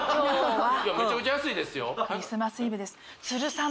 めちゃくちゃ安いですよ